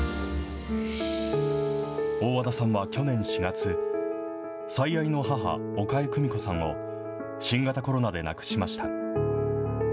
大和田さんは去年４月、最愛の母、岡江久美子さんを新型コロナで亡くしました。